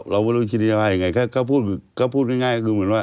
เราก็ไม่รู้ชินทนธาภาพยังไงก็พูดง่าย